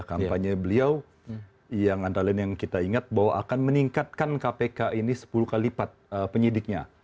kampanye beliau yang antara lain yang kita ingat bahwa akan meningkatkan kpk ini sepuluh kali lipat penyidiknya